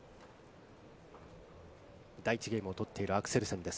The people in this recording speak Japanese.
第１ゲームを取っているアクセルセンです。